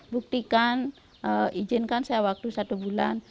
buktikan izinkan saya waktu satu bulan